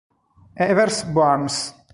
Evers Burns